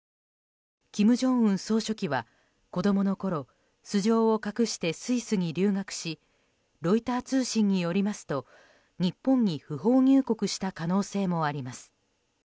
金正恩総書記は子供のころ素性を隠してスイスに留学しロイター通信によりますと日本に不法入国した可能性もあります。